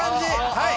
はい！